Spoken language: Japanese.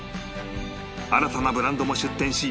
新たなブランドも出店しますます